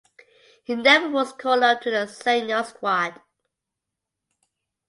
He never was called up to the senior squad.